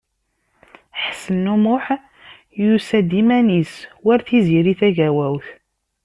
Ḥsen U Muḥ yusa-d iman-is, war Tiziri Tagawawt.